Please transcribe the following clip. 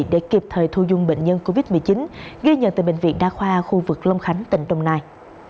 để kịp thời thu dung bệnh nhân covid một mươi chín ghi nhận tại bệnh viện đa khoa khu vực long khánh tỉnh đồng nai